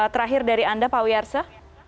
terakhir dari anda pak wiyarsah